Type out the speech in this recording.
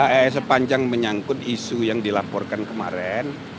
nggak eh sepanjang menyangkut isu yang dilaporkan kemarin